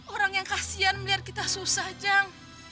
orang yang kasihan melihat kita susah jang